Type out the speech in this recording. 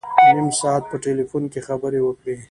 نیم ساعت په ټلفون کې خبري وکړې.